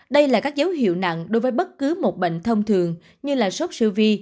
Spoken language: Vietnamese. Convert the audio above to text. đây là các dấu hiệu nặng đối với bất cứ một bệnh thông thường như sốc siêu vi